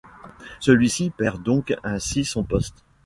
Celui-ci perd donc ainsi son poste.